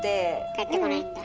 帰ってこないんだ。